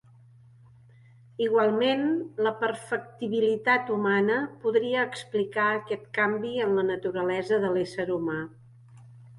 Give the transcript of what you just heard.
Igualment, la "perfectibilitat" humana podria explicar aquest canvi en la naturalesa de l'ésser humà.